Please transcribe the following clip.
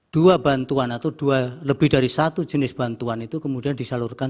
dua bantuan atau lebih dari satu jenis bantuan itu kemudian disalurkan